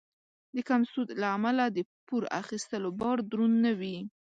د کم سود له امله د پور اخیستلو بار دروند نه وي.